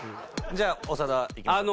じゃあ長田いきましょう。